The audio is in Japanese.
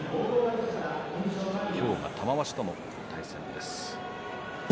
今日が玉鷲との対戦です。